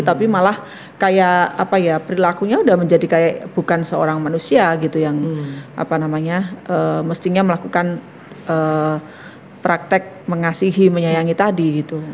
tapi malah kayak apa ya perilakunya udah menjadi kayak bukan seorang manusia gitu yang mestinya melakukan praktek mengasihi menyayangi tadi gitu